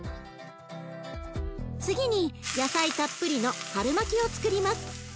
次に野菜たっぷりの春巻きをつくります。